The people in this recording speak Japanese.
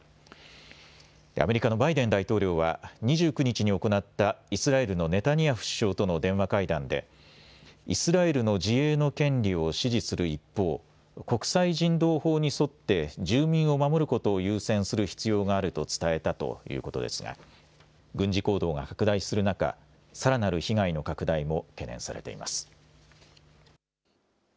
アメリカのバイデン大統領は、２９日に行ったイスラエルのネタニヤフ首相との電話会談で、イスラエルの自衛の権利を支持する一方、国際人道法に沿って住民を守ることを優先する必要があると伝えたということですが、軍事行動が拡大する中、さらなる被害の拡大も懸念されています。